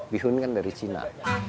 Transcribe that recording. bihun kan dari cina